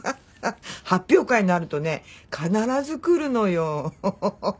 発表会があるとね必ず来るのよ。